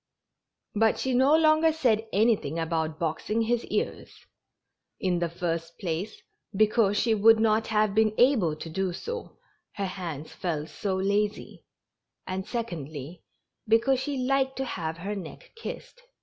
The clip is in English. But she no longer said anything about boxing his ears ; in the first place, because she would not have been able to do so, her hands felt so lazy, and, secondly, because she liked to have her neck kissed.